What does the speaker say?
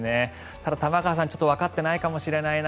ただ、玉川さんちょっとわかってないかもしれないな